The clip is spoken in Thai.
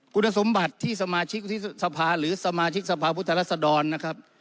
คุณสมบัติที่สมาชิกวุฒิสภาหรือสมาชิกสภาพุทธรัศดรนะครับ